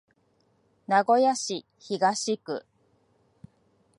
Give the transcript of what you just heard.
名古屋市東区